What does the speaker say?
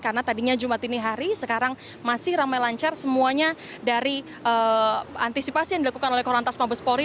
karena tadinya jumat ini hari sekarang masih ramai lancar semuanya dari antisipasi yang dilakukan oleh korantas mabes polri